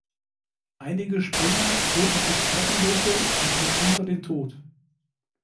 Einige Springer holten sich Knochenbrüche und mitunter den Tod.